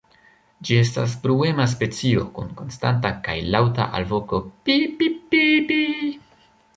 Ĝi estas bruema specio, kun konstanta kaj laŭta alvoko "pii-pip-pii-pii".